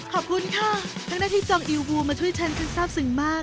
ขอบคุณค่ะทั้งหน้าที่จองอิลวูมาช่วยฉันคือทราบซึ้งมาก